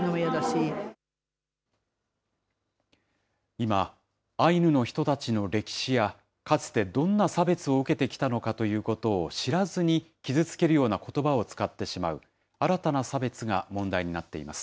今、アイヌの人たちの歴史や、かつてどんな差別を受けてきたのかということを知らずに傷つけるようなことばを使ってしまう、新たな差別が問題になっています。